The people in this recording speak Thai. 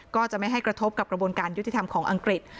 ก็จะไม่ให้กระทบกับกระบวนการยุติธรรมของอังกฤษ